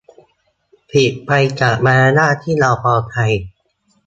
ผิดไปจากมารยาทที่เราพอใจ